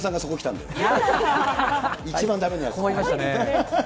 困りましたね。